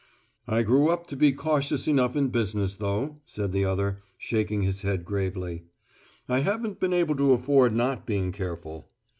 "I grew up to be cautious enough in business, though," said the other, shaking his head gravely. "I haven't been able to afford not being careful."